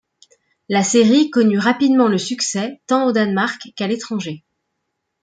La série connut rapidement le succès, tant au Danemark qu'à l'étranger.